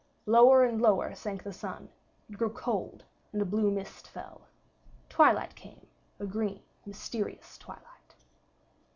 Lower and lower sank the sun; it grew cold, and a blue mist fell. Twilight came, a green, mysterious twilight.